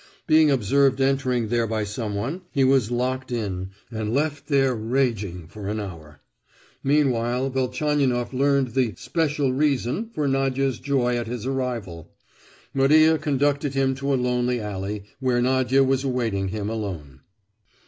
Being observed entering there by someone, he was locked in, and left there raging for an hour. Meanwhile, Velchaninoff learned the "special reason" for Nadia's joy at his arrival. Maria conducted him to a lonely alley, where Nadia was awaiting him alone.